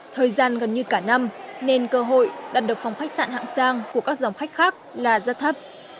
thời gian gần như cả năm nên cơ hội đặt được phòng khách sạn hạng sang của các dòng khách khác là rất thấp